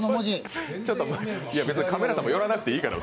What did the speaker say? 別に、カメラさんも寄らなくていいから。